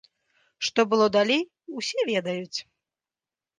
Што было далей, усе ведаюць.